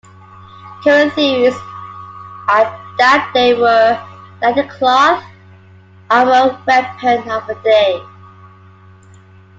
Current theories are that they were the anti-cloth armour weapon of the day.